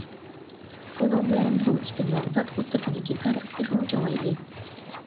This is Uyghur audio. بۇنىڭ بىلەن بۇ ئىككى نامزات ئوتتۇرىسىدىكى پەرق تېخىمۇ چوڭايدى.